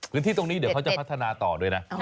กลินที่ตรงนี้เขาก็จะพัฒนาต่อด้วยนะ